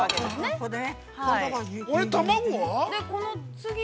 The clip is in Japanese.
◆これ、卵は。